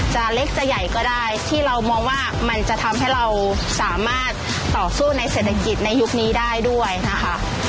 จะเล็กจะใหญ่ก็ได้ที่เรามองว่ามันจะทำให้เราสามารถต่อสู้ในเศรษฐกิจในยุคนี้ได้ด้วยนะคะ